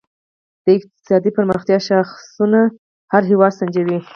د اقتصادي پرمختیا شاخصونه هر هېواد سنجوي.